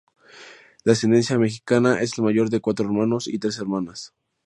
De ascendencia mexicana, es el mayor de cuatro hermanos y tres hermanas.